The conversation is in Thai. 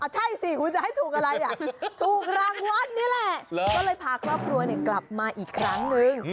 ใช่สิคุณจะให้ถูกอะไรถูกรางวัลนี่แหละก็เลยพาครอบครัวกลับมาอีกครั้งนึง